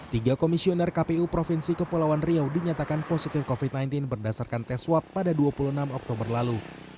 tiga komisioner kpu provinsi kepulauan riau dinyatakan positif covid sembilan belas berdasarkan tes swab pada dua puluh enam oktober lalu